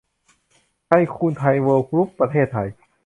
ไทยคูน เวิลด์ไวด์ กรุ๊ป ประเทศไทย